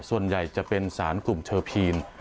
ส่วนใหญ่จะเป็นสารกลุ่มเชอร์พีน